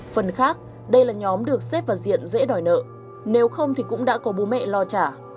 phần khác đây là nhóm được xếp vào diện dễ đòi nợ nếu không thì cũng đã có bố mẹ lo trả